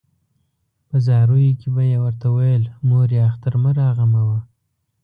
په زاریو کې به یې ورته ویل مورې اختر مه راغموه.